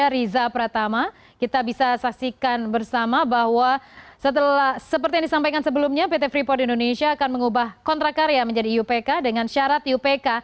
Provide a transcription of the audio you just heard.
kewajiban pajak untuk memegang kontrak karya dan iupk menjadi iupk dengan syarat iupk